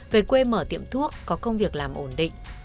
về quê mở tiệm thuốc có công việc làm ổn định